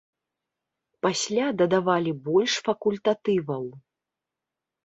Пасля дадавалі больш факультатываў.